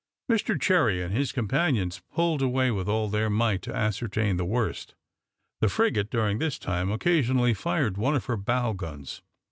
Mr Cherry and his companions pulled away with all their might to ascertain the worst. The frigate, during this time, occasionally fired one of her bow guns.